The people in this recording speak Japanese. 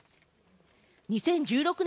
２０１６年